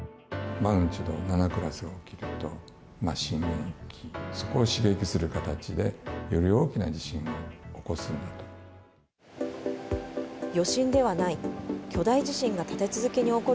マグニチュード７クラスが起きると、震源域をそこを刺激する形で、より大きな地震を起こすようになる。